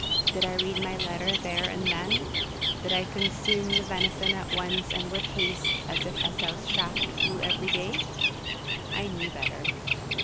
Did I read my letter there and then? Did I consume the venison at once and with haste, as if Esau's shaft flew every day? I knew better.